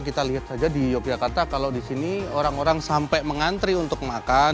kita lihat saja di yogyakarta kalau di sini orang orang sampai mengantri untuk makan